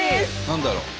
何だろう？